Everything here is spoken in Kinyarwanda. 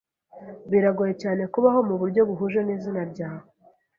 Biragoye cyane kubaho mu buryo buhuje n'izina ryawe.